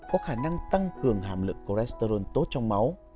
có khả năng tăng cường hàm lượng cholesterol tốt trong máu